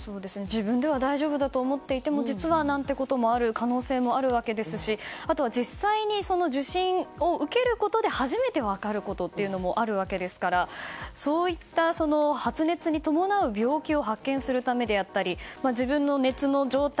自分では大丈夫だと思っていても実はなんていうこともあるわけですしあとは実際に受診することで初めて分かることもあるわけですからそういった発熱に伴う病気を発見するためであったり自分の熱の状態